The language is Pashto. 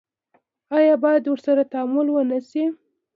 آیا باید ورسره تعامل ونشي؟